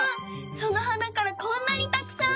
その花からこんなにたくさん？